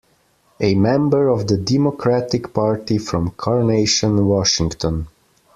A member of the Democratic Party from Carnation, Washington.